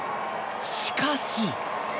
しかし。